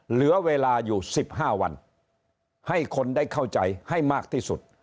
เหลือเวลาอยู่๑๕วันให้คนได้เข้าใจให้มากที่สุด